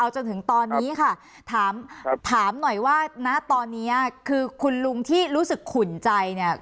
จนถึงตอนนี้ค่ะถามหน่อยว่าณตอนนี้คือคุณลุงที่รู้สึกขุ่นใจเนี่ย